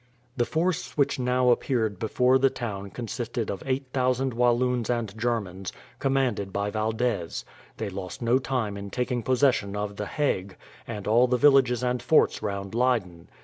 The force which now appeared before the town consisted of 8000 Walloons and Germans, commanded by Valdez. They lost no time in taking possession of the Hague, and all the villages and forts round Leyden.